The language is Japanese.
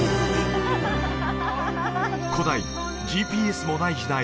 古代ＧＰＳもない時代